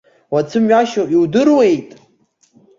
Уацәымҩашьо иудыруеит?